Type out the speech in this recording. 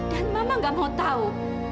dan mama nggak mau tahu